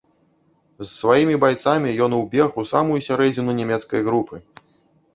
З сваімі байцамі ён убег у самую сярэдзіну нямецкай групы.